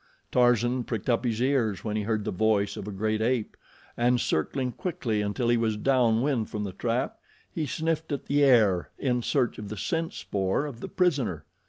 Tarzan pricked up his ears when he heard the voice of a great ape and, circling quickly until he was down wind from the trap, he sniffed at the air in search of the scent spoor of the prisoner.